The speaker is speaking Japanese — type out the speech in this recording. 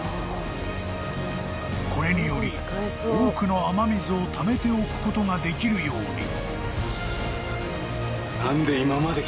［これにより多くの雨水をためておくことができるように］